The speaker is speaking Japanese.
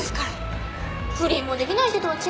不倫もできない人とは違うんです。